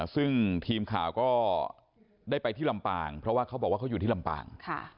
ซึ่งทีมข่าวก็ได้ไปที่ลำปางเพราะว่าเขาบอกว่าเขาอยู่ที่ลำปาง